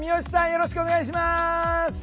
よろしくお願いします。